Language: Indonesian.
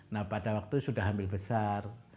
nah pada waktu sudah hamil besar